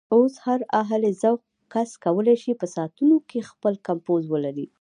اوس هر اهل ذوق کس کولی شي په ساعتونو کې خپل کمپوز ولري.